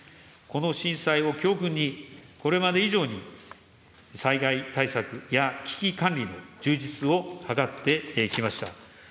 この震災を教訓に、これまで以上に災害対策や危機管理の充実を図ってきました。